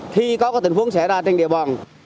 khi có tình huống xảy ra trên địa bàn